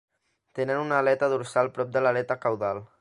Tenen una aleta dorsal prop de la aleta caudal.